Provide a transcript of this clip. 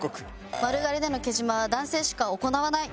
「丸刈りでのけじめは男性しか行わない」。